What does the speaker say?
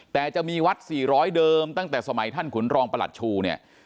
แต่จะมีวัด๔๐๐เดิมตั้งแต่สมัยท่านขุนรองประหลัดชูเนี่ย